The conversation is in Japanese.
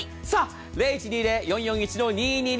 ０１２０−４４１−２２２。